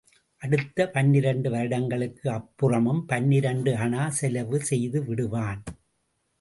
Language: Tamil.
அடுத்த பனிரண்டு வருடங்களுக்கு அப்புறமும் பனிரண்டு அணா செலவு செய்து விடுவான்.